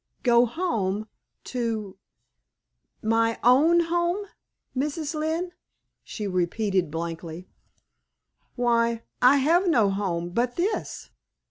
"Go home to my own home, Mrs. Lynne?" she repeated, blankly. "Why, I have no home but this!"